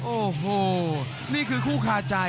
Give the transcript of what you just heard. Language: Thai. โอ้โหนี่คือคู่คาใจ